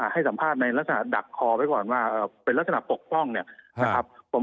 ให้สัมภาษณ์ในลักษณะดักคอไปก่อนว่าเป็นลักษณะปกป้อง